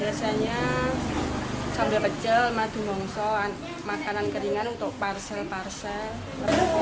rasanya sambal pecel madu mongso makanan keringan untuk parsel parsel